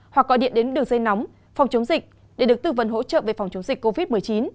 hoặc gọi điện đến đường dây nóng phòng chống dịch để được tư vấn hỗ trợ về phòng chống dịch covid một mươi chín